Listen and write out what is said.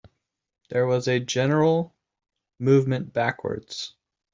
There was a general movement backwards.